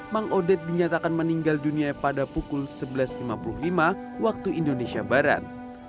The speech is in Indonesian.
mang odet dinyatakan meninggal dunia pada pukul sebelas lima puluh lima waktu indonesia barat